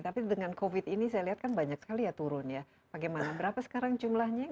tapi dengan covid ini saya lihat kan banyak sekali ya turun ya bagaimana berapa sekarang jumlahnya yang